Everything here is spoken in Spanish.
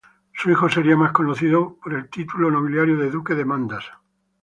Su hijo sería más conocido por el título nobiliario de Duque de Mandas.